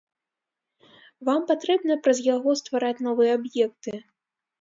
Вам патрэбна праз яго ствараць новыя аб'екты.